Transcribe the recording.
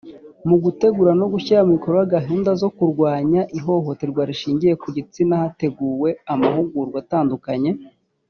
mu gutegura no gushyira mu bikorwa gahunda zo kurwanya ihohoterwa rishingiye ku gitsina hateguwe amahugurwa atamdukanye